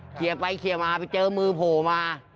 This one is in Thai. เคลียร์ไปเคลียร์มาไปเจอมือโผล่มา